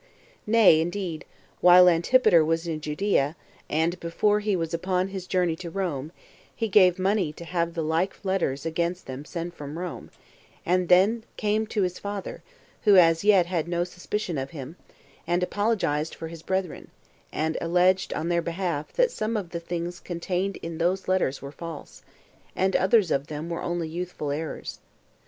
2. Nay, indeed, while Antipater was in Judea, and before he was upon his journey to Rome, he gave money to have the like letters against them sent from Rome, and then came to his father, who as yet had no suspicion of him, and apologized for his brethren, and alleged on their behalf that some of the things contained in those letters were false, and others of them were only youthful errors.